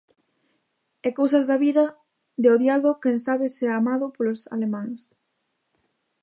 E cousas da vida, de odiado quen sabe se a amado polos alemáns.